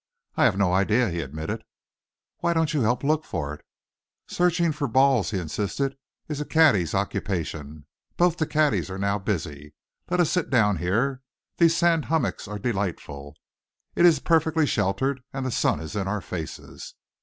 "I have no idea," he admitted. "Why don't you help look for it?" "Searching for balls," he insisted, "is a caddy's occupation. Both the caddies are now busy. Let us sit down here. These sand hummocks are delightful. It is perfectly sheltered, and the sun is in our faces.